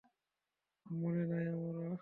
মনে নাই আমার।